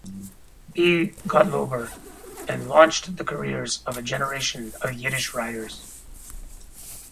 B. Gotlober, and launched the careers of a generation of Yiddish writers.